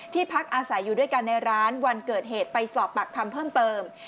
พักอาศัยอยู่ด้วยกันในร้านวันเกิดเหตุไปสอบปากคำเพิ่มเติม